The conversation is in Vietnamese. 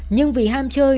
nhưng vì ham chơi